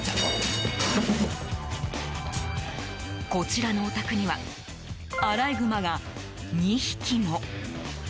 こちらのお宅にはアライグマが２匹も。